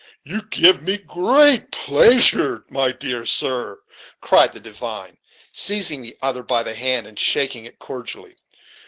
"You give me great pleasure, my dear sir," cried the divine, seizing the other by the hand, and shaking it cordially.